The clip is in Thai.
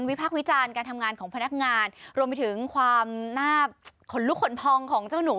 พักวิจารณ์การทำงานของพนักงานรวมไปถึงความน่าขนลุกขนพองของเจ้าหนู